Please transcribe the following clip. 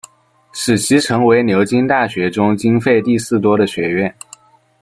使其成为牛津大学中经费第四多的学院。